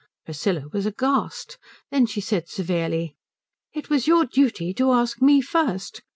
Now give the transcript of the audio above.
Priscilla was aghast. Then she said severely, "It was your duty to ask me first.